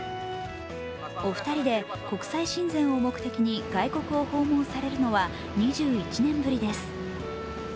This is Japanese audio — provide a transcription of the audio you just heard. お二人で国際親善を目的に外国を訪問されるのは２１年ぶりです。